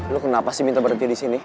lo kenapa sih minta berhenti disini